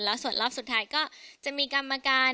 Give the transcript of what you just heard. แล้วส่วนรอบสุดท้ายก็จะมีกรรมการ